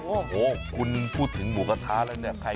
โอ้โหคุณพูดถึงหมูกระทะแล้วเนี่ย